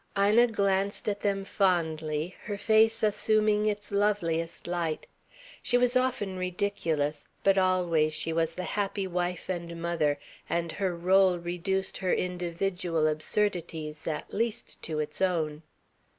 Ina glanced at them fondly, her face assuming its loveliest light. She was often ridiculous, but always she was the happy wife and mother, and her rôle reduced her individual absurdities at least to its own.